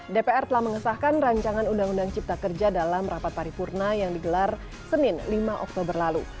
dpr telah mengesahkan rancangan undang undang cipta kerja dalam rapat paripurna yang digelar senin lima oktober lalu